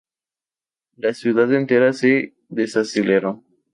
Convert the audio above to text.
La ciudad entera se desaceleró.